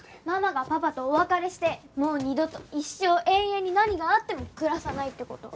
ママがパパとお別れしてもう二度と一生永遠に何があっても暮らさないって事。